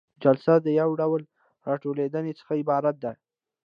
جلسه د یو ډول راټولیدنې څخه عبارت ده.